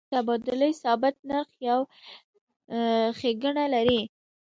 د تبادلې ثابت نرخ یو ښیګڼه لري.